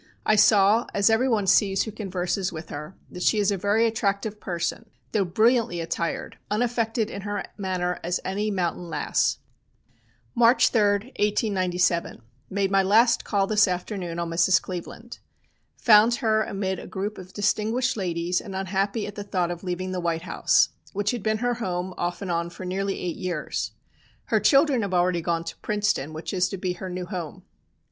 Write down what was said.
I saw, as everyone sees who converses with her, that she is a very attractive person, though brilliantly attired, unaffected in her manner as any mountain lass. "March 3, 1897. Made my last call this afternoon on Mrs. Cleveland. Found her amid a group of distinguished ladies, and unhappy at the thought of leaving the White House, which had been her home off and on for nearly eight years. Her children have already gone to Princeton, which is to be her new home.